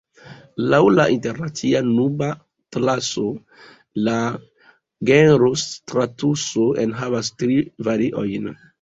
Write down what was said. Laŭ la Internacia Nubatlaso, la genro stratuso enhavas tri variojn.